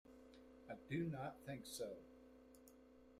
I do not think so.